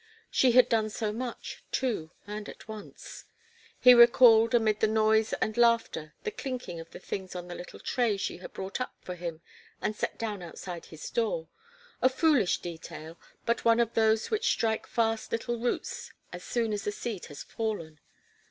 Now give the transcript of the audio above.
She had done so much, too, and at once. He recalled, amid the noise and laughter, the clinking of the things on the little tray she had brought up for him and set down outside his door a foolish detail, but one of those which strike fast little roots as soon as the seed has fallen.